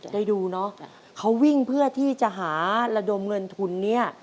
ได้ดูเนอะเขาวิ่งเพื่อที่จะหาระดมเงินทุนเนี่ย